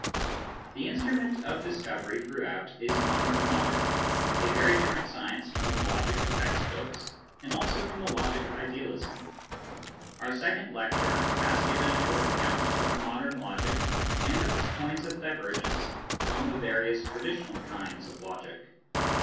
The instrument of discovery throughout is modern logic, a very different science from the logic of the text books and also from the logic of idealism. Our second lecture has given a short account of modern logic and of its points of divergence from the various traditional kinds of logic.